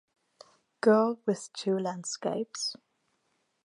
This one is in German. Girl with Two Landscapes.